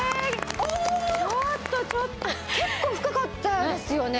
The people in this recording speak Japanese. ちょっとちょっと結構深かったですよね。